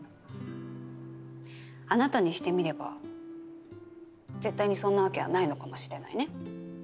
あなたにしてみれば絶対にそんなわけはないのかもしれないね。